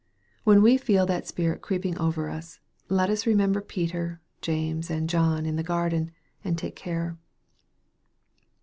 When we feel that spirit creeping over us, let us remember Peter, James, und John in the garden, and take care.